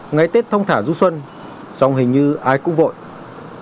ngày tết thông thả du xuân dòng hình như ai cũng vội bất chấp nguy hiểm cứ vượt để đi cho nhanh